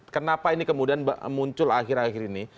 kenapa ini kemudian muncul akhir akhir ini